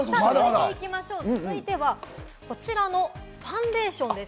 続いては、こちらのファンデーションです。